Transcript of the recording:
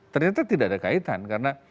ternyata tidak ada kaitan karena